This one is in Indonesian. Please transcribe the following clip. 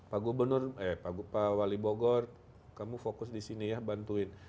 pak gubernur eh pak wali bogor kamu fokus di sini ya bantuin